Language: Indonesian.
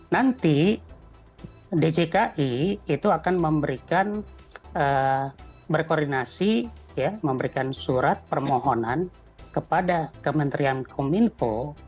nanti djki itu akan memberikan berkoordinasi memberikan surat permohonan kepada kementerian kominfo